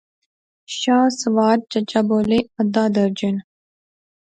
شاہ سوار چچا بولے، ادھا درجن